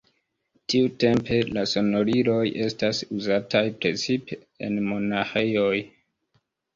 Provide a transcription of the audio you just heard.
Tiutempe la sonoriloj estas uzataj precipe en monaĥejoj.